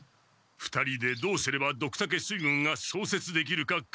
２人でどうすればドクタケ水軍がそうせつできるか考えよう。